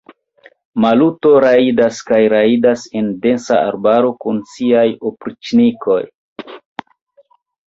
Maluto rajdas kaj rajdas en densa arbaro kun siaj opriĉnikoj.